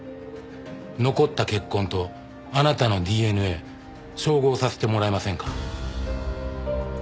残った血痕とあなたのＤＮＡ照合させてもらえませんか？